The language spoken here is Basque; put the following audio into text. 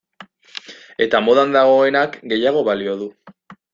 Eta modan dagoenak gehiago balio du.